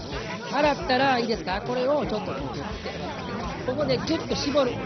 洗ったらいいですかこれをちょっとこう取ってここでぎゅっと絞る。